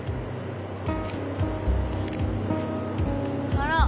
あら！